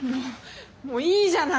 もういいじゃない。